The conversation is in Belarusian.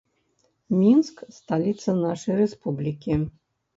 Мінск сталіца нашай рэспублікі.